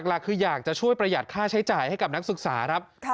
หลักคืออยากจะช่วยประหยัดค่าใช้จ่ายให้กับนักศึกษาครับ